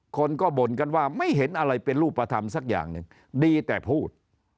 คนก็บ่นกันว่าไม่เห็นอะไรเป็นรูปธรรมสักอย่างหนึ่งดีแต่พูด